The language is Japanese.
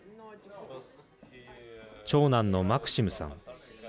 長男のマクシムさん。